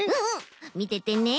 みててね。